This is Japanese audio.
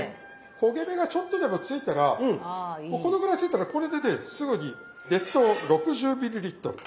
焦げ目がちょっとでもついたらもうこのぐらいついたらこれでねすぐに熱湯６０ミリリットル。